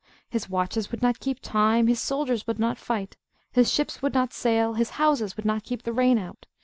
His watches would not keep time, his soldiers would not fight, his ships would not sail, his houses would not keep the rain out.